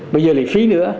bây giờ lại phí nữa